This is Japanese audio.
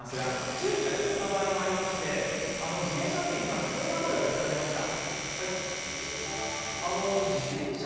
注意が必要なものもありまして自転車保険に関してはこういう声も寄せられました。